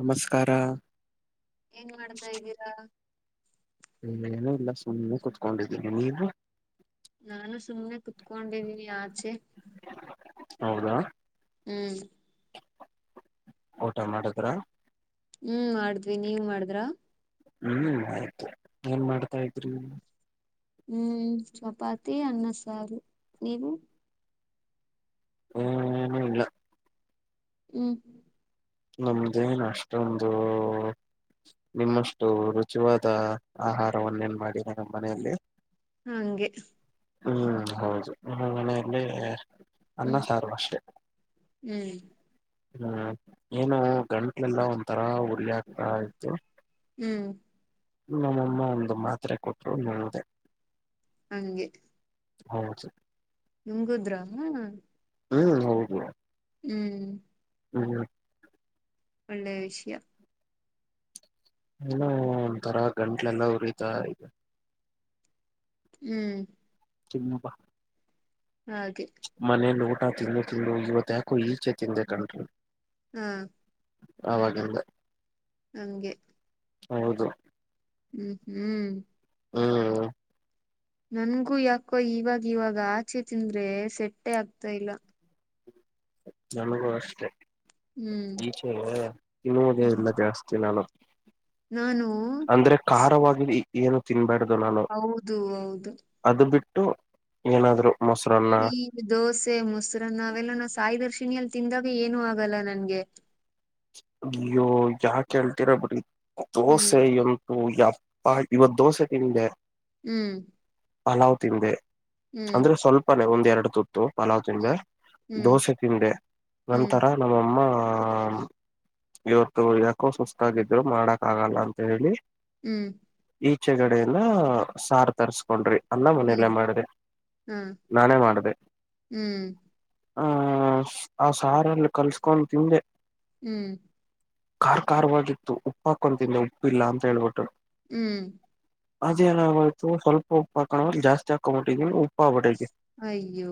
ನಮಸ್ಕಾರ ಏನ್ ಮಾಡ್ತಾ ಇದ್ದೀರಾ ಏನ ಇಲ್ಲ ಸುಮ್ಮನೆ ಕುತ್ಕೊಂಡಿದ್ದೀನಿ ನೀನು ನಾನು ಸುಮ್ಮನೆ ಕುತ್ಕೊಂಡಿದೀನಿ ಆಚೆ ಹೌದಾ ಹ್ಮ್ ಊಟ ಮಾಡುದ್ರ ಹ್ಮ್ ಮಾಡಿದ್ವಿ ನೀವ್ ಮಾಡಿದ್ರ. ಹ್ಮ್ ಆಯ್ತು ಏನ್ ಮಾಡ್ತಾಯಿದ್ರಿ. ಹ್ಮ್ ಚಪಾತಿ ಅನ್ನ ಸಾರು ನೀವು. ಹ್ಮ್ ಏನು ಇಲ್ಲ ಹ್ಮ್ ನಮ್ದೇನು ಅಷ್ಟೊಂದು. ನಿಮ್ಮಷ್ಟು ರುಚಿವಾದ ಆಹಾರವನ್ನ ಏನ್ ಮಾಡಿಲ್ಲ ನಮ್ಮ ಮನೆಯಲ್ಲಿ ಹಾ ಹಂಗೆ. ಹ್ಮ್ ಹೌದು ನಿಮ್ಮ ಮನೆಯಲ್ಲಿ ಹ್ಮ್ ಅನ್ನ ಸಾರು ಅಷ್ಟೆ. ಹ್ಮ್ ಹ್ಮ್ ಏನು ಗಂಟ್ಲೆಲ್ಲ ಒಂತರಾ ಉರಿ ಆಗ್ತಾ ಇತ್ತು. ಹ್ಮ್ ನಮ್ಮಮ್ಮ ಒಂದು ಮಾತ್ರೆ ಕೊಟ್ರು ನುಂಗಿದ್ದೆ. ಹಂಗೆ. ಹೌದು. ನುಂಗುದ್ರ. ಹ್ಮ ಹೌದು. ಹ್ಮ್ ಹ್ಮ್ ಹ್ಮ ಒಳ್ಳೆಯ ವಿಷಯ ಏನೋ ಒಂತರ ಗಂಟ್ಲೆಲ್ಲ ಉರಿತ ಇದೆ. ಹ್ಮ್ ತುಂಬಾ. ಹಾಗೆ. ಮನೆಲ್ಲಿ ಊಟ ತಿಂದು ತಿಂದು ಇವತ್ತು ಯಾಕೋ ಈಚೆ ತಿಂದೆ ಕಣ್ರಿ ಹ್ಮ್ ಅವಾಗಿಂದ. ಹಂಗೆ. ಹೌದು. ಹ್ಮ್ ಹ್ಮ್ ಹ್ಮ್ ನಂಗು ಯಾಕೋ ಇವಾಗ ಇವಾಗ ಆಚೆ ತಿಂದ್ರೆ ಸೆಟ್ಟೆ ಆಗ್ತಾಯಿಲ್ಲ. ನನಗೂ ಅಷ್ಟೆ. ಹ್ಮ್ ಈಚೆ ತಿನ್ನುವುದೇ ಇಲ್ಲ ಜಾಸ್ತಿ ನಾನು. ನಾನು ಅಂದ್ರೆ ಖಾರವಾಗಿ ಏನು ತಿನ್ಬ್ಯಾಡು ನಾನು. ಹೌದು ಹೌದು. ಅದು ಬಿಟ್ಟು ಏನಾದ್ರು ಮೊಸರನ್ನ. ಈ ದೋಸೆ ಮೊಸರನ್ನ ಅವೆಲ್ಲ ನಾನು ಸಾಯಿ ದರ್ಶಿನಿಯಲ್ಲಿ ತಿಂದಾಗ ಏನು ಆಗಲ್ಲ ನನ್ಗೆ. ಅಯ್ಯೋ ಯಾಕ ಹೇಳ್ತೀರ ಬಿಡಿ ಹ್ಮ್ ದೋಸೆ ಇನ್. ಯಪ್ಪಾ ಇವತ್ತು ದೋಸೆ ತಿಂದೆ. ಹ್ಮ್ ಪಲಾವ್ ತಿಂದೆ ಹ್ಮ್ ಅಂದ್ರೆ ಸ್ವಲ್ಪನೆೇ ಒಂದೇರಡು ತುತ್ತು. ಪಲಾವ್ ತಿಂದೆ ಹ್ಮ್ ದೋಸೆ ತಿಂದೆ ಹ್ಮ್ ನಂತರ ನಮ್ಮಅಮ್ಮ. ಇವತ್ತು ಯಾಕೋ ಸುಸ್ತಾಗಿದ್ರು ಮಾಡಕ್ ಆಗಲ್ಲ ಅಂತ ಹೇಳಿ. ಹ್ಮ್ ಈಚೆ ಗಡೆ ಎಲ್ಲಾ ಸಾರ್ ತರ್ಸ್ಕೊಂಡ್ರಿ. ಅನ್ನ ಮನೆಯಲ್ಲೇ ಹ್ಮ್ ಮಾಡ್ದೆ ಹ್ಮ್ ನಾನೇ ಮಾಡ್ದೆ. ಹ್ಮ್ ಆ ಆ ಸಾರಲ್ಲಿ ಕಲ್ಸ್ಕೊಂಡ್ ತಿಂದೆ. ಹ್ಮ್ ಕಾರ್ ಕಾರಾರ್ವಾಗಿತ್ತು ಉಪ್ಪಾಕೊಂಡ್ ತಿಂದೆ ಉಪ್ಪಿಲ್ಲ ಅಂತ ಹೇಳ್ಬಿಟ್ಟು. ಹ್ಮ್ ಅದೇನ್ ಆಗೋಯ್ತು ಸ್ವಲ್ಪ ಉಪ್ಪ ಹಾಕೋ ಜಾಸ್ತಿ ಹಾಕೊಂಡ್ಬಿಟ್ಟಿದೀನಿ ಉಪ್ಪ ಆಗ್ಬಿಟ್ಟೈತೆ. ಅಯ್ಯೋ.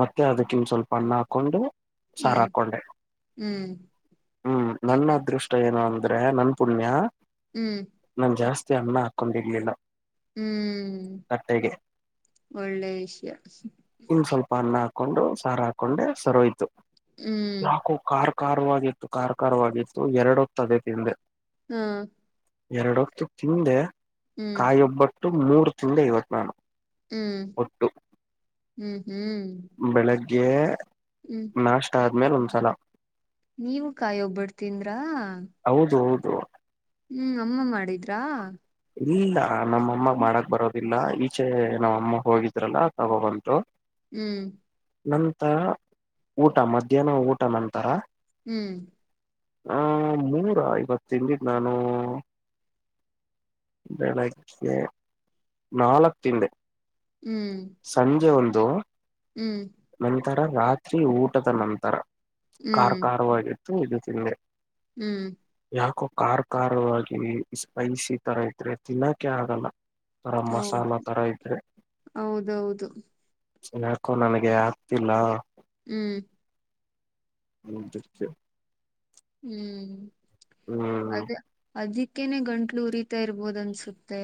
ಮತ್ತೆ ಅದಕ್ಕಿನ್ ಸ್ವಲ್ಪ ಅನ್ನ ಹಾಕೊಂಡು ಸಾರು ಹ್ಮ್ ಹಾಕೊಂಡೆ. ಹ್ಮ್ ಹ್ಮ್ ನನ್ ಅದೃಷ್ಟ ಏನು ಅಂದ್ರೆ ನನ್ ಪುಣ್ಯ. ಹ್ಮ್ ನಾನ್ ಜಾಸ್ತಿ ಅನ್ನ ಹಾಕೊಂಡಿರ್ಲಿಲ್ಲ. ಹ್ಮ್ ತಟ್ಟೆಗೆ ಒಳ್ಳೆ ವಿಷ್ಯ. ಇನ್ ಸ್ವಲ್ಪ ಅನ್ನ ಹಾಕೊಂಡು ಸಾರ್ ಹಾಕೊಂಡೆ ಸರೋಯ್ತು ಹ್ಮ್ ನಾಕು ಕಾರ್- - ಕಾರಾರ್ವಾಗಿತ್ತು ಕಾರಾರ್ ಕಾರಾರ್ವಾಗಿತ್ತು ಎರಡೊತ್ ಅದೆ ತಿಂದೆ. ಹ್ಮ ಎರಡೊತ್ತು ತಿಂದೆ ಹ್ಮ್ ಕಾಯೊಬ್ಬಟ್ಟು ಮೂರು ತಿಂದೆ ಇವತ್ತು ಬೇಡ. ಹ್ಮ್ ಹ್ಮ್ ಹ್ಮ್ ಬೆಳಗ್ಗೆ. ಹ್ಮ್ ನಾಷ್ಟ ಆದ್ಮೇಲೆ ಒಂದ್ಸಲ. ನೀವು ಕಾಯ್ ಒಬ್ಬಟ್ಟು ತಿಂದ್ರ. ಹೌದು ಹೌದು. ಹ್ಮ್ ಅಮ್ಮ ಮಾಡಿದ್ರಾ. ಇಲ್ಲ ನಮ್ಮಮ್ಮ ಹ್ಮ್ ಮಾಡಕ್ ಬರೋದಿಲ್ಲ ಈಚೆ ನಮ್ಮಮ್ಮ ಹೋಗಿದ್ರಲ್ಲ ತಗೊಬಂದ್ರು. ಹ್ಮ್ ನಂತರ ಊಟ ಮಧ್ಯಾಹ್ನ ಊಟ ನಂತರ. ಹ್ಮ್ ಆ ಮುಂದ ಐವತ್ ತಿಂದಿದ್ ನಾನು. ಬೆಳಗ್ಗೆ ನಾಲ್ಕ್ ತಿಂದೆ. ಹ್ಮ್ ಸಂಜೆ ಒಂದು. ಹ್ಮ್ ನಂತರ ರಾತ್ರಿ ಊಟದ ನಂತರ ಕಾರ್ ಹ್ಮ್ ಕಾರಾರ್ವಾಗಿತ್ತು ಇದು ತಿಂದೆ. ಹ್ಮ್ ಯಾಕೋ ಖರ್ ಖಾರವಾಗಿ ಸ್ಪೈಸಿ ತರ ಇದ್ರೆ ತಿನ್ನೋಕೆ ಆಗಲ್ಲ. ತರ ಹೌದು ಮಸಾಲಾ ತರ ಇದ್ರೆ. ಹೌದೌದು ಯಾಕೊ ನನಗೆ ಆಗ್ತಿಲ್ಲ. ಹ್ಮ್ ಹ್ಮ [unintelligible] ಹ್ಮ್ ಹ್ಮ್ ಅದೆ. ಅದಕ್ಕೇನೆ ಗಂಟ್ಲು ಉರಿತಾ ಇರ್ಬೋದ ಅನ್ಸುತ್ತೆ.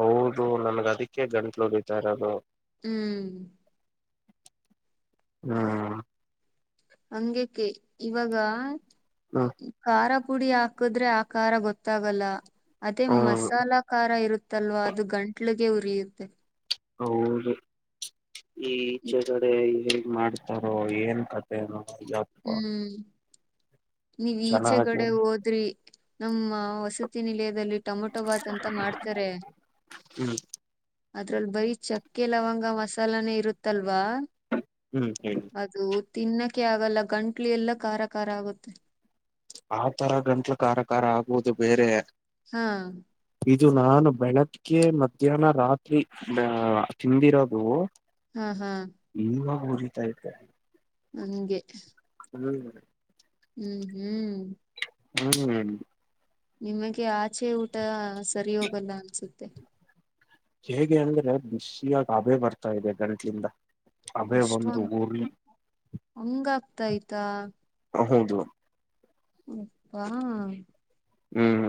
ಹೌದು ನನ್ಗ ಅದಕ್ಕೆ ಗಂಟ್ಲು ಉರಿತ ಇರದು. ಹ್ಮ್ ಹ್ಮ ಹಂಗೇಕಿ ಇವಾಗ ಹ್ಮ್ ಖಾರ ಪುಡಿ ಹಾಕದ್ರೆ ಆ ಖಾರ ಗೊತ್ತಾಗಲ್ಲ ಅದೇ ಹೌದು ಮಸಾಲಾ ಖಾರ ಇರುತ್ ಅಲ್ವಾ ಅದು ಗಂಟ್ಲಿಗೆ ಉರಿಯುತ್ತೆ ಹೌದು ಈಚೆಗಡೆ ಹೇಗ್ ಮಾಡ್ತ್ ಹೊ ಹೊ ಏನ್ ಕತೆೆನೋ ಹ್ಮ್ಮ್ ನೀವು್ ಈಚೆ ಚೆನ್ನಾಗಿ ಕಡೆ ಹೋದ್ರಿ ನಮ್ಮ ವಸತಿ ನಿಲಯದಲ್ಲಿ ಟಮೊಟೋ ಭಾತ್ ಅಂತ ಮಾಡ್ತಾರೆ ಹ್ಮ್ ಅದ್ರಲ್ಲಿ ಬರಿೀ ಚಕ್ಕೆ ಲವಂಗ ಮಸಾಲಾನೇ ಇರುತ್ತಲ್ವಾ ಹ್ಮ್ ಹೇಳಿ ಅದು ತಿನ್ನಕ್ಕೆೆ ಆಗಲ್ಲ ಗಂಟ್ಲು ಎಲ್ಲ ಖಾರಾ ಖಾರ ಆಗುತ್ತೆ ಆ ತರ ಗಂಟ್ಲು ಖಾರ ಖಾರ ಆಗುವುದು ಬೇರೆ ಹ್ಮ್ಮ್ ಇದು ನಾನು ಬೆಳಗ್ಗೆ ಮಧ್ಯಾಹ್ನ ರಾತ್ರಿ ನಾ ತಿಂದಿರೋದು ಹ್ಮ್ ಹಾ ಇವಾಗ ಉರಿ ತೈತೆ ಹಂಗೆ ಹ್ಮ್ ಹ್ಮ್ ಹ್ಮ್ಮ್ ಹ್ಮ್ ನಿಮಗೆ ಆಚೆ ಊಟ ಸರಿ ಹೋಗಲ್ಲ ಅನ್ಸುತ್ತೆ ಹೇಗೆ ಅಂದ್ರೆ ಬಿಸಿಯಾಗಿ ಅಬೆ ಬರ್ತಾ ಇದೆ ಗಂಟ್ಲಿಂದ ಹಬೆ ಒಂದು ಅಷ್ಟೊಂದು ಉರಿ ಹಂಗ ಆಗ್ತಾಯಯ್ತಾ ಹೌದ್ ಹೌದು ಯಪ್ಪಾ ಹ್ಮ್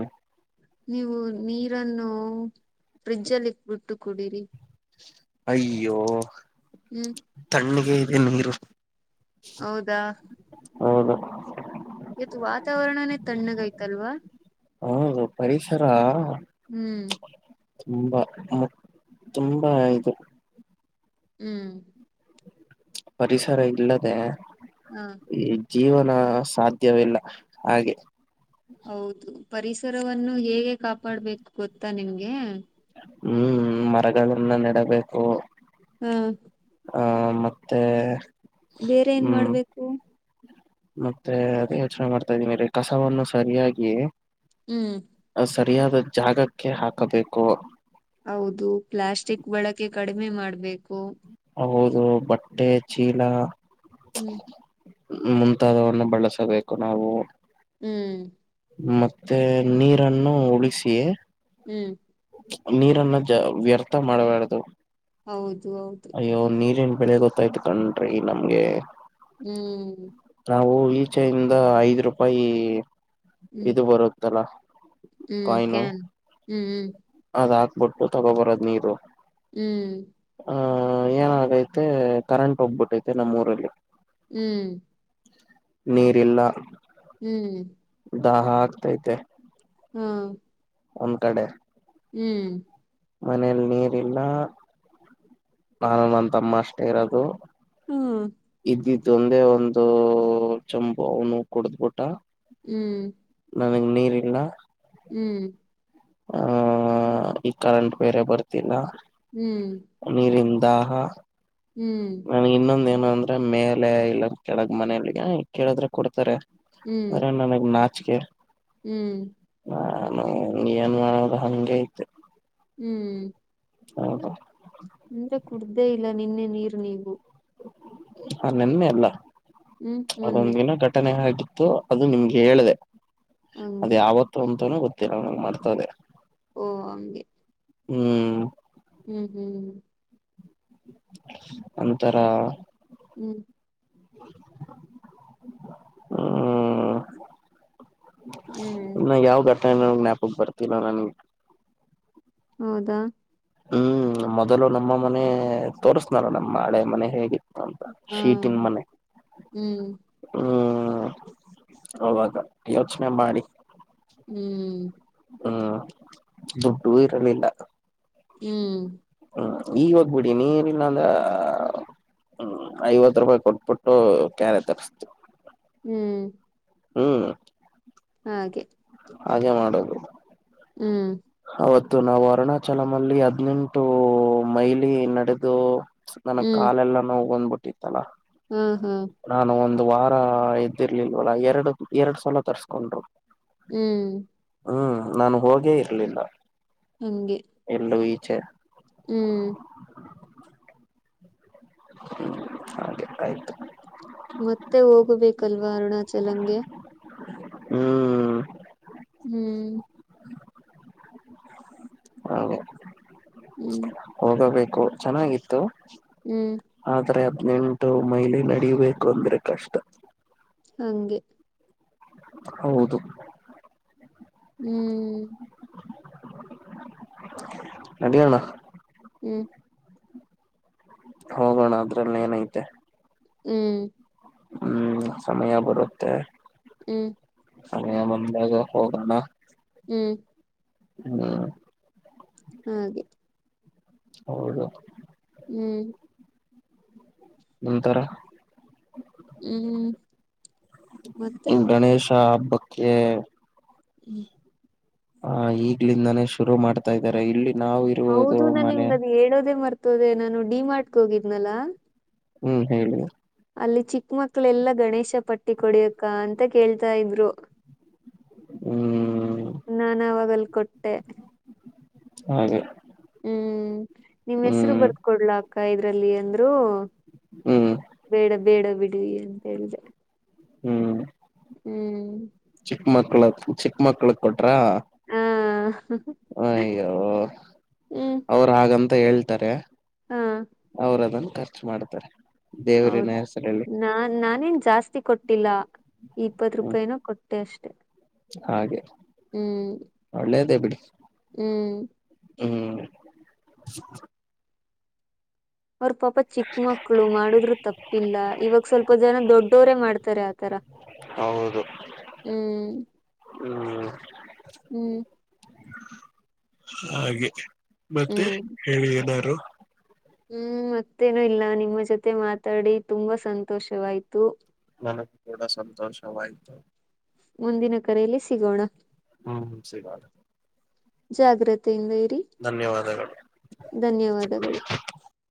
ನೀವು ನೀರನ್ನು ಫ್ರಿಡ್ಜಲ್ಲಿ ಇಟ್ ಬಿಟ್ಟು ಕುಡೀರಿ ಅಯ್ಯೋ ಹ್ಮ್ ತಣ್ಣಿಗೆ ಇದೆ ನೀರು ಹೌದಾ ಹೌದು ಇವತ್ತು ವಾತಾವರಣನೇ ತಣ್ಣಗಯ್ತಲ್ವಾ ಹೂ ಪರಿಸರ ಹ್ಮ್ಮ್ ತುಂಬಾ ಹ್ಮ್ ತುಂಬಾ ಇದೆ ಹ್ಮ್ ಪರಿಸರ ಇಲ್ಲದೆ ಹಾ ಈ ಜೀವನ ಸಾಧ್ಯವಿಲ್ಲ ಹಾಗೆ ಹೌದು ಪರಿಸರವನ್ನು ಹೇಗೆ ಕಾಪಾಡ್ಬೇಕು ಗೊತ್ತಾ ನಿಮ್ಗೆ ಹ್ಮ್ ಮರಗಳನ್ನ ನೆಡಬೇಕು ಹ್ಮ ಆಹ ಮತ್ತೆ ಬೇರೆ ಏನ್ ಹ್ಮ್ ಮಾಡ್ಬೇಕು ಮತ್ತೆ ಅದ ಯೋಚನೆ ಮಾಡ್ತಾ ಇದೀನಿ ರೀ ಕಸವನ್ನು ಸರಿಯಾಗಿ ಹ್ಮ್ ಸರಿಯಾದ ಜಾಗಕ್ಕೆ ಹಾಕಬೇಕು ಹೌದು ಪ್ಲಾಸ್ಟಿಕ್ ಬಳಕೆ ಕಡಿಮೆ ಮಾಡ್ಬೇಕು ಹೌದು ಬಟ್ಟೆ ಚೀಲ ಹ್ಮ್ ಮುಂತಾದವನ್ನು ಬಳಸಬೇಕು ನಾವು ಹ್ಮ್ ಮತ್ತೆ ನೀರನ್ನು ಉಳಿಸಿ ಹ್ಮ್ ನೀರನ್ನ ಜ ವ್ಯರ್ಥ ಮಾಡಬಾರದು ಹೌದು ಇವು ನೀರಿನ ಬೆಲೆ ಗೊತ್ತಾಯ್ತು ಕಣ್ರಿ ನಮ್ಗೆ ಹ್ಮ್ ನಾವು ಈಚೆಯಿಂದ ಐದ್ ರೂಪಾಯಿ ಹ್ಮ್ ಇದು ಬರುತ್ತಲ್ಲ ಹ್ಮ್ ಕಾಯಿನು ಕ್ಯಾನ್ ಹ್ಮ್ ಹ್ಮ್ ಅದ್ ಹಾಕ್ಬಿಟ್ಟು ತಗೋಬರದ್ ನೀರು ಹ್ಮ್ ಆಹ ಏನಾಗೈತೆ ಕರೆಂಟ್ ಹೋಗಬಿಟ್ಟೈತೆ ನಮ್ಮ್ ಊರಲ್ಲಿ ಹ್ಮ್ ನೀರಿಲ್ಲ ಹ್ಮ್ ದಾಹ ಆಗ್ತೈತೆ ಹಾ ಒನ್ ಕಡೆ ಹ್ಮ್ ಮನೇಲಿ ನೀರ್ ಇಲ್ಲ ನಾನು ನ ತಮ್ಮ ಅಷ್ಟೇ ಇರೋದು ಹ್ಮ್ ಇದಿದ್ದು ಒಂದೇ ಒಂದು ಚಂಬು ಅವನು ಕುಡ್ದ್ಬಿಟ್ಟ ಹ್ಮ್ ನನಗ್ ನೀರಿಲ್ಲ ಹ್ಮ್ ಹ ಈ ಕರೆಂಟ್ ಬೇರೆ ಬರ್ತಿಲ್ಲ ಹ್ಮ್ ನೀರಿನ ದಾಹ ನನಗೆ ಇನ್ನೊಂದು ಏನಂದ್ರೆ ಮೇಲೆ ಇಲ್ಲ ಕೆಳಗ್ ಮನಲಿ ಕೇಳಿದ್ರೆ ಕೊಡ್ತಾರೆ ಹ್ಮ್ ಹ್ಮ್ ಆದ್ರೆ ನನಗ್ ನಾ ಚಿಗೆ ಹ್ಮ್ ನಾನು ಏನ್ ಮಾಡೋದು ಹಂಗ ಇದ್ದೆ ಹ್ಮ್ ಹೌದು ಅಂದ್ರೆ ಕುಡ್ದೇ ಇಲ್ಲ ನಿನ್ನೆ ನೀರ್ ನೀವು ಹಾ ನಿನ್ನೆ ಅಲ್ಲ ಹ್ಮ್ ಅದೊಂದ ಮೊನ್ನೆ ದಿನ ಘಟನೆ ಆಗಿತ್ತು ಅದು ನಿಮ್ಗೆ ಹೇಳ್ದ ಅದ ಹಂಗೆ ಯಾವತ್ತು ಅಂತೂ ಗೊತ್ತಿಲ್ಲ ನನ ಮರ್ತ ಹೋದೆ ಓ ಹಂಗೆ ಹ್ಮ್ ಹ್ಮ್ ಹ್ಮ್್ಮ ಓಂತರ ಹ್ಞೂ ಹ್ಮ ಹ್ಮ್ ಇನ್ನ ಯಾವ ಘಟನೆ ನ ಜ್ಞಾಪಕ ಬರ್ತಿಲ್ಲ ನನ್ಗೆ ಹೌದಾ ಹ್ಮ್ ಮೊದಲು ನಮ್ಮ ಮನೆ ತೋಸ್ನಲ್ಲ ನಮ್ಮ ಹಳೆ ಮನೆ ಹೇಗೆ ಅಂತ ಹಾ ಶೀಟನ್ ಮನೆ ಹೌದು ಹ್ಮ್ ಹ್ಮ್ ಅವವಾಗ ಯೋಚನೆ ಮಾಡಿ ಹ್ಮ್ ಹ್ಮ್ ದುಡ್ಡೂ ಇರಲಿಲ್ಲ ಹ್ಮ್ ಹ್ಮ್ ಈಗ ಹೋಗ್ಬಿಡಿ ನೀರಿಲ್ಲ ಅಂದ್ರ ಹ್ಮ್ ಐವತ್ತು ರೂಪಾಯಿ ಕೊಟ್ಬಿಟ್ಟು ಕ್ಯಾರೆ ತರಿಸ್ತು ಹ್ಮ್ ಹ್ಮ್ ಹಾಗೆ ಹಾಗೆ ಮಾಡದು ಹ್ಮ್ ಅವತ್ತು ನಾವು ಅರುಣಾಚಲಮಲ್ಲಿ ಹದ್ಿನೆಂಟು ಮೈಲಿ ನಡೆದು ನನಗ್ ಹ್ಮ್ ಕಾಲೆಲ್ಲ ನೋವ ನಗಂದ್ ಬಿಟ್ಟಿತ್ತಲ್ಲಾ ಹಾ ಹಾ ನಾನು ಒಂದು ವಾರ ಎದ್ದಿರ್ಲಿಲ್ವಲ್ಲ ಎರಡು ಎರಡ್ ಸಲ ತರ್ಸ್ಕೊಂಡ್ರು ಹ್ಮ್ ಹ್ಮ್ ನಾನು ಹೋಗೇ ಇರ್ಲಿಲ್ಲ ನಂಗೆ ಎಲ್ಲೂವು ಇಚ್ಚೆ ಹ್ಮ್ ಹ ಹಾಗೆ ಆಯ್ತು ಮತ್ತೆ ಹೋಗಬೇಕಲ್ವಾ ಅರುಣಾಚಲಂಗೆ ಹ್ಮ ಹ್ಮ್ ಹಾಗೆ ಹ್ಮ್ ಹೋಗಬೇಕು ಚೆನ್ನಾಗಿತ್ತು ಹ್ಮ್ ಆದ್ರೆ ಹದ್ಿನನೆಂಟು ಮೈಲಿ ನಡೀಬೇಕು ಅಂದ್ರೆ ಕಷ್ಟ ಹಂಗೆ ಹೌದು ಹ್ಮ್ ನಡಿ ಯಣ ಹ್ಮ್ ಹೋಗೋಣ ಅದ್ರಲ್ಲ ಏನೈತೆ ಹ್ಮ್. ಹ್ಮ್ ಸಮಯ ಬರುತ್ತೆ. ಹ್ಮ್. ಸಮಯ ಬಂದಾಗ ಹೋಗೋಣ. ಹ್ಮ್. [unintelligible] ಹ್ಮ್. ಹೌದು. ಹ್ಮ್. ನಂತರ. ಹ್ಮ್ ಮತ್ತೆ ಗಣೇಶ ಹಬ್ಬಕ್ಕೆ. ಹ್ಮ್. ಹ ಈಗ್ಲಿಂದಾನೇ ಶುರು ಮಾಡ್ತಾ ಇದ್ದಾರೆ ಇಲ್ಲಿ ನಾವು. ಇರುವುದು ಹೌದು ನಾನ್ ಮನೆ ನಿಮ್ದ ಅದು ಹೇಳೋದೇ ಮರ್ತೋದೆ ನಾನು ಡಿ ಮಾಡ್ಕ್ ಹೋಗಿದ್ನಲ್ಲಾ. ಹ್ಮ್ ಹೇಳಿ. ಅಲ್ಲಿ ಚಿಕ್ಕ ಮಕ್ಕಳು ಎಲ್ಲಾ ಗಣೇಶ ಪಟ್ಟಿ ಕೊಡಿ ಅಕ್ಕಾ ಅಂತ ಕೇಳ್ತಾ ಇದ್ರು. ಹ್ಮ್. ನಾನು ಆವಾಗ ಅಲ್ಲಿ ಕೊಟ್ಟೆ. ಹೌದ. ಹ್ಮ್ ನಿಮ್ಮ ಹೆಸರು ಬರದೊ ಕೊಡಲಾ ಅಕ್ಕಾ ಇದರಲ್ಲಿ ಅಂದ್ರು. ಹ್ಮ್ ಬೇಡ ಬೇಡ ಬಿಡಿ ಅಂತ ಹೇಳ್ದೆ. ಹ್ಮ್. ಹ್ಮ್. ಚಿಕ್ಕ ಮಕ್ಕಳ ಚಿಕ್ಕ ಮಕ್ಕಳಿಗೆ ಕೊಟ್ಟರಾ. ಹಾ. ಹ ಅಯ್ಯೋ ಅವರು ಹಾಗಂತ ಹೇಳ್ತಾರೆ. ಹಾ ಅವರು ಅದನ್ನು ಖರ್ಚು ಮಾಡ್ತಾರೆ ದೇವರಿನ ಹೆಸರಲ್ಲಿ. ನಾ ನಾನೇನ್ ಜಾಸ್ತಿ ಕೊಟ್ಟಿಲ್ಲ ಇಪ್ಪತ್ತು ಹ್ಮ್ ರೂಪಾಯಿನೂ ಕೊಟ್ಟೆ ಅಷ್ಟೆ. ಹಾಗೆ ಹ್ಮ್ ಒಳ್ಳೇದ ಬಿಡಿ. ಹ್ಮ್. ಹ್ಮ್. ಅವ ಪಾಪ. ಚಿಕ್ಕ ಮಕ್ಳು ಮಾಡುದ್ರು ತಪ್ಪಿಲ್ಲ ಇವಾಗ ಸ್ವಲ್ಪ ಜನ ದೊಡ್ಡೋರೇ ಮಾಡ್ತಾರೆ ಆತರ. ಹೌದು ಹ್ಮ್ ಹ್ಮ್. ಹ್ಮ್. ಹಾಗೆ ಮತ್ತೆ ಹ್ಮ್ ಹೇಳಿ ಎನಾರು. ಹ್ಮ್ ಮತ್ತೇನು ಇಲ್ಲ ನಿಮ್ಮ ಜೊತೆ ಮಾತಾಡಿ ತುಂಬಾ ಸಂತೋಷವಾಯ್ತು. ಮನಗೆ ಕೂಡ ಸಂತೋಷವಾಯಿತು. ಮುಂದಿನ ಕರೆಯಲ್ಲಿ ಸಿಗೋಣ. ಹ್ಮ ಸಿಗೋಣ. ಜಾಗ್ರತೆೆಯಲ್ಲೇರಿ. ಧನ್ಯವಾದಗಳು. ಧನ್ಯವಾದಗಳು.